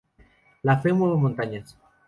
La fe mueve montañas